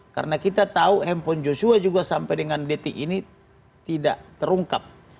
karena kita tahu handphone joshua juga sampai dengan dt ini tidak terungkap